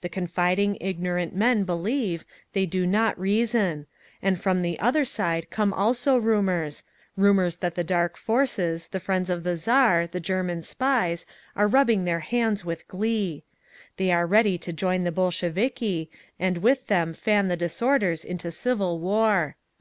The confiding, ignorant men believe, they do not reason…. And from the other side come also rumours—rumours that the Dark Forces, the friends of the Tsar, the German spies, are rubbing their hands with glee. They are ready to join the Bolsheviki, and with them fan the disorders into civil war.